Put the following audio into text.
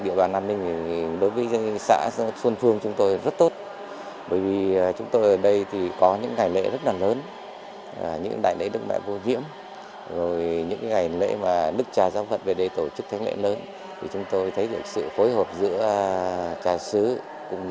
để tổ chức tháng lễ lớn chúng tôi thấy sự phối hợp giữa trà sứ